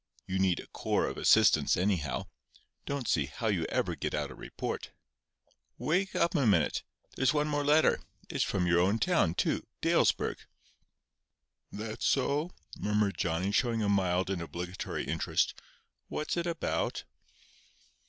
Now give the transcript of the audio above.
You need a corps of assistants, anyhow. Don't see how you ever get out a report. Wake up a minute!—here's one more letter—it's from your own town, too—Dalesburg." "That so?" murmured Johnny showing a mild and obligatory interest. "What's it about?"